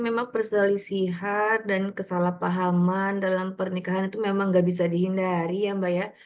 memang perselisihan dan kesalahpahaman dalam pernikahan itu memang nggak bisa dihindari ya mbak ya